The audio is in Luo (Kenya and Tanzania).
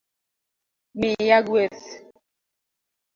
miya gweth